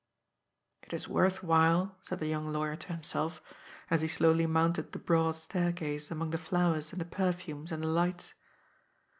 " It is worth while," said the young lawyer to himself, as he slowly mounted the broad staircase among the flowers and the perfumes and the lights.